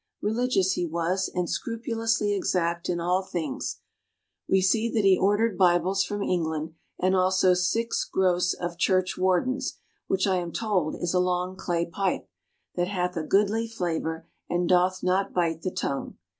Religious he was, and scrupulously exact in all things. We see that he ordered Bibles from England, "and also six groce of Church Wardens," which I am told is a long clay pipe, "that hath a goodly flavor and doth not bite the tongue."